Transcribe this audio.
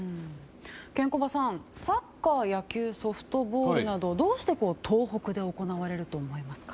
ケンコバさん、サッカー野球、ソフトボールなどどうして東北で行われると思いますか？